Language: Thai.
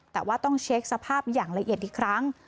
แต่ว่าต้องเช็คสภาพอย่างละเอียดอีกครั้ง